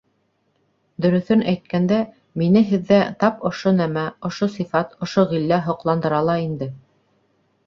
Дөрөҫөн әйткәндә, мине һеҙҙә тап ошо нәмә ошо сифат, ошо ғиллә һоҡландыра ла инде.